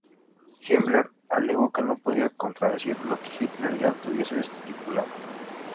Himmler alegó que no podía contradecir lo que Hitler ya tuviese estipulado.